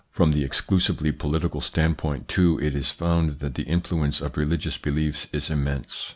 From the exclusively political standpoint, too, it is found that the influence of religious beliefs is immense.